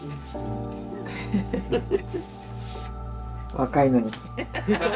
若いのに。